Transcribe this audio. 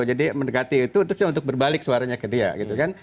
jadi mendekati itu itu sih untuk berbalik suaranya ke dia gitu kan